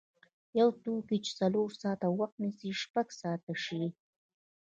یو توکی چې څلور ساعته وخت نیسي شپږ ساعته شي.